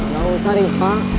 gak usah riva